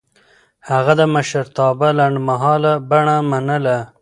هغه د مشرتابه لنډمهاله بڼه منله.